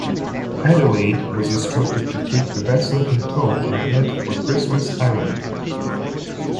"Adelaide" was instructed to take the vessel in tow and head for Christmas Island.